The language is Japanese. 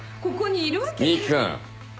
ここにいるわけが。